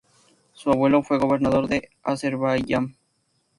Su abuelo fue gobernador de Azerbaiyán.